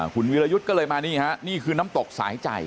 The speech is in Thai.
คุณวิรยุทธ์ก็เลยมานี่ฮะนี่คือน้ำตกสายใจ